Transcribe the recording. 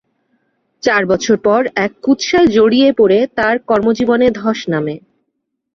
চার বছর পর এক কুৎসায় জড়িয়ে পরে তার কর্মজীবনে ধস নামে।